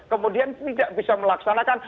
kemudian tidak bisa melaksanakan